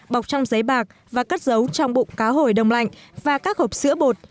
bọc trong giấy bạc và cất giấu trong bụng cá hồi đông lạnh và các hộp sữa bột